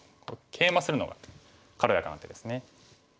ケイマするのが軽やかな手ですね。